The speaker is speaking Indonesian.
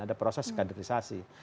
ada proses skandarisasi